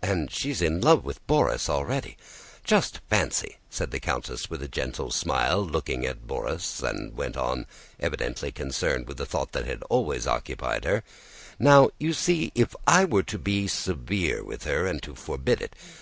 "And she's in love with Borís already. Just fancy!" said the countess with a gentle smile, looking at Borís and went on, evidently concerned with a thought that always occupied her: "Now you see if I were to be severe with her and to forbid it